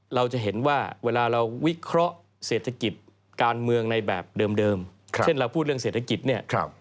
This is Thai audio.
เราจะเห็นว่าเวลาเราวิเคราะห์เศรษฐกิจการเมืองในแบบเดิมเช่นเราพูดเรื่องเศรษฐกิจเนี่ย